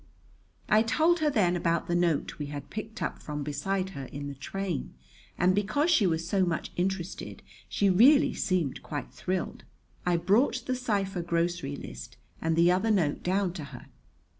I told her then about the note we had picked up from beside her in the train, and because she was so much interested she really seemed quite thrilled. I brought the cipher grocery list and the other note down to her.